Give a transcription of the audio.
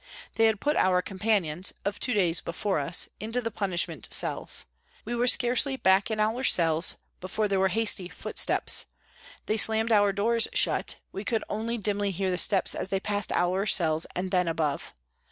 They had put our com panions, of two days before us, into the punishment cells. We were scarcely back in our cells before there were hasty footsteps ; they slammed our doors shut, we could only dimly hear the steps as they passed our cells and then above.